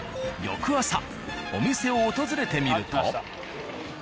翌朝お店を訪れてみると。